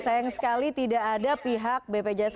sayang sekali tidak ada pihak bpjs